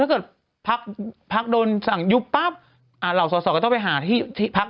ถ้าเกิดพักโดนสั่งยุบปั๊บเหล่าสอสอก็ต้องไปหาที่พัก